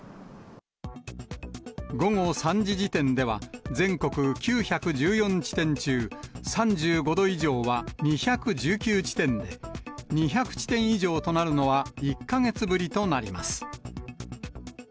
午後３時時点では、全国９１４地点中３５度以上は２１９地点で、２００地点以上となるのは１か月ぶりとなります。